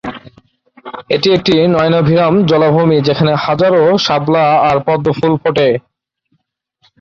এটি একটি নয়নাভিরাম জলাভূমি যেখানে হাজারো শাপলা আর পদ্ম ফুল ফোটে।